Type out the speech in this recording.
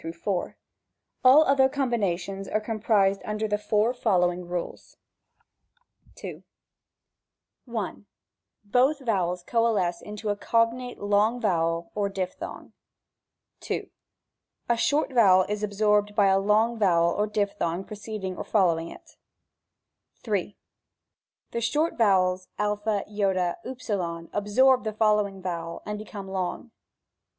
All other combinations are comprised under the four following rules : 14 OONTEAOnON. §3. 2. I. Botli vowels coalesce into a cognate long vowel or diphthong. n. A short vowel is absorbed by a long vowel or diphthong preceding or foUowing it. in. The short vowels a^ c, v, absorb the following vowel and become long.